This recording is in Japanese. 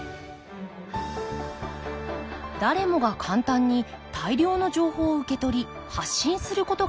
誰もが簡単に大量の情報を受け取り発信することができる